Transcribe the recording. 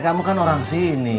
kamu kan orang sini